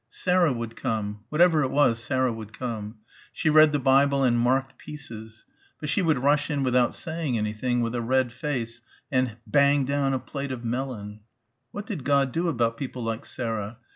Sarah would come. Whatever it was, Sarah would come. She read the Bible and marked pieces.... But she would rush in without saying anything, with a red face and bang down a plate of melon.... What did God do about people like Sarah?